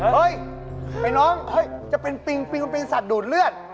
เฮ่ยใหม่น้องจะเป็นปิงแต่เป็นสัตว์ดูดเลือด